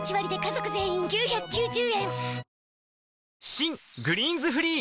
⁉新「グリーンズフリー」